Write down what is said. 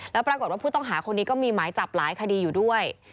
แล้วปรากฏว่าผู้ต้องหาคนนี้ก็มีหมายจับหลายคดีอยู่ด้วย